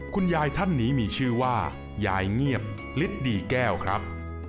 คุณยายท่านนี้มีชื่อว่ายายเงียบลิตรดีแก้วครับ